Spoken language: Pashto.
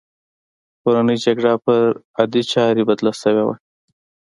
کورنۍ جګړه پر عادي چاره بدله شوې وه